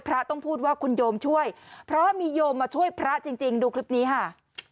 ต้องพูดว่าคุณโยมช่วยเพราะมีโยมมาช่วยพระจริงดูคลิปนี้ค่ะ